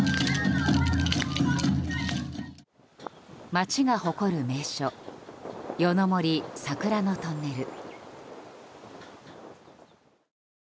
町が誇る名所夜の森桜のトンネル。